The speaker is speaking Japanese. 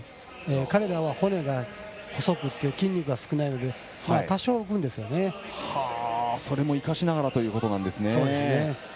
彼らは骨が細くて筋肉が少ないからそれも生かしながらということなんですね。